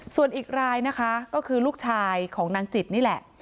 ส่วนอีกรายนะคะก็คือลูกชายของนางจิตนี่แหละ